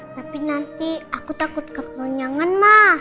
tapi nanti aku takut kekenyangan ma